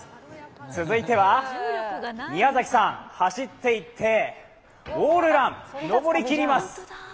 続いては宮崎さん、走って行ってウォールラン、上り切ります。